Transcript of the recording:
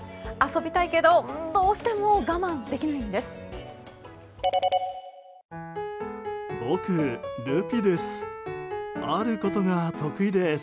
遊びたいけどどうしても我慢できないんです。